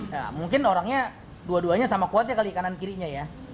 ya mungkin orangnya dua duanya sama kuat ya kali kanan kirinya ya